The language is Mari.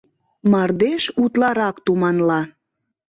Мардеж утларак туманла.